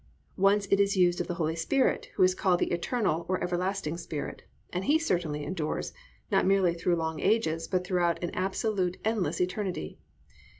Once it is used of the Holy Spirit who is called "the eternal (or everlasting) Spirit," and He certainly endures, not merely through long ages, but throughout an absolutely endless eternity.